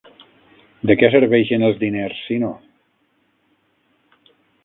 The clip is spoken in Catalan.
De què serveixen els diners si no